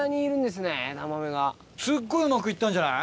すっごいうまく行ったんじゃない？